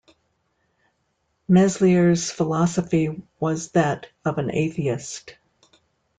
Meslier's philosophy was that of an atheist.